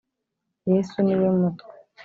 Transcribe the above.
Yesu ni we mutwe